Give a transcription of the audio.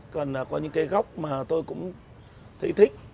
còn có những cái góc mà tôi cũng thấy thích